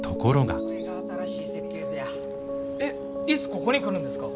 ここに来るんですか？